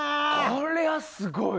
これはすごい。